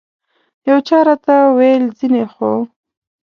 یو چا راته وویل ځینې خو.